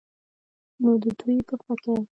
نو د دوي په فکر